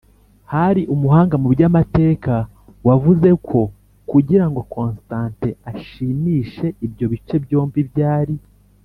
Hari umuhanga mu by amateka wavuze ko kugira ngo Constantin ashimishe ibyo bice byombi byari